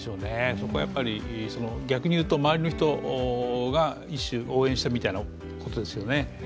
そこがやっぱり逆に言うと周りの人が応援したみたいなことですよね。